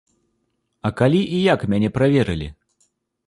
А калі і як мяне праверылі?